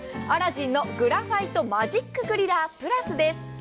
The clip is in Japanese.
アラジンのグラファイトマジックグリラーＰｌｕｓです。